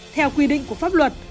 theo quy định của pháp luật